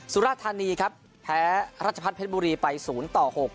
สุราธานีครับแพ้ราชพัฒน์เพชรบุรีไปศูนย์ต่อหก